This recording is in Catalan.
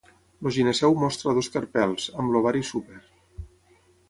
El gineceu mostra dos carpels, amb l'ovari súper.